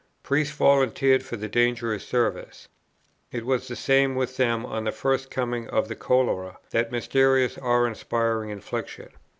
Priests volunteered for the dangerous service. It was the same with them on the first coming of the cholera, that mysterious awe inspiring infliction.